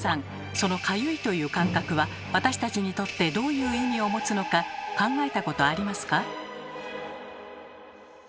その「かゆい」という感覚は私たちにとってどういう意味を持つのか考えたことありますか？